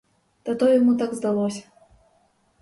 Та то йому так здалося!